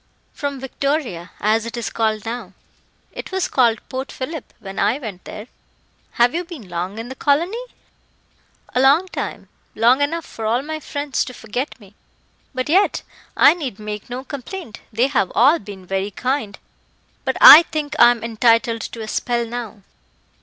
"From Victoria, as it is called now. It was called Port Phillip when I went there." "Have you been long in the colony?" "A long time long enough for all my friends to forget me. But yet I need make no complaint; they have all been very kind; but I think I am entitled to a spell now."